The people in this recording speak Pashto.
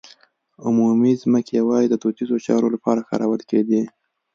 عمومي ځمکې یوازې د دودیزو چارو لپاره کارول کېدې.